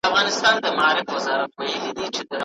سګریټ د بدن لپاره نااشنا دی.